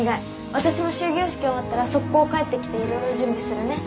私も終業式終わったらソッコー帰ってきていろいろ準備するね。